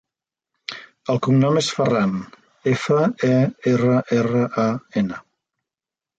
El cognom és Ferran: efa, e, erra, erra, a, ena.